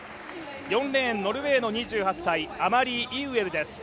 ４レーン、ノルウェーの２８歳、アマリー・イウエルです。